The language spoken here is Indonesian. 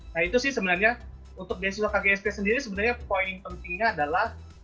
nah itu sih sebenarnya untuk beasiswa kgst sendiri sebenarnya poin pentingnya adalah